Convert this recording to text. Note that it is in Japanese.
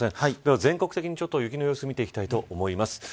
全国的に雪の状況を見ていきたいと思います。